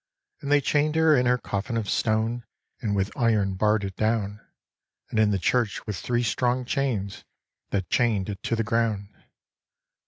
And they chain'd her in her coffin of stone, And with iron barr'd it down, And in the church with three strong chains The chain'd it to the ground.